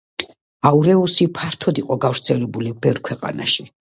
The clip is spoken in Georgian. აურეუსი ფართოდ იყო გავრცელებული ბევრ ქვეყანაში.